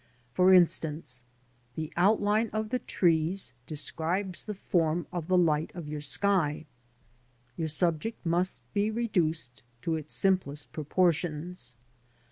For instance the outline of the trees describes the form of the light of your sky. Your subject must be reduced to its simplest proportions.